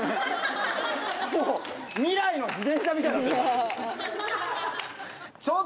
もう未来の自転車みたいになってるもん。